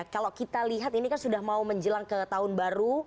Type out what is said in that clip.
kalau kita lihat ini kan sudah mau menjelang ke tahun baru